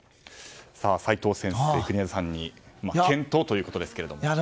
齋藤先生、国枝さんに検討ということですが。